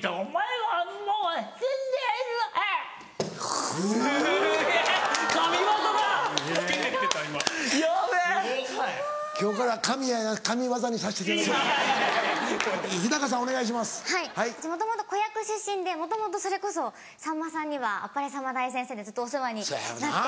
はい私子役出身でそれこそさんまさんには『あっぱれさんま大先生』でずっとお世話になって。